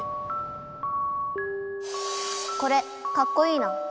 これかっこいいな。